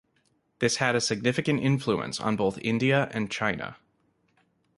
This had a significant influence on both India and China.